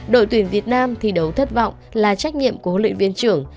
đội tuyển việt nam thi đấu thất vọng là trách nhiệm của huấn luyện viên trưởng